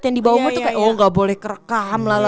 yang di bawah umur tuh kayak oh gak boleh kerekam